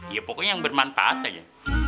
ya pokoknya yang bermanfaat aja